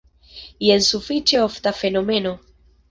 Jen sufiĉe ofta fenomeno.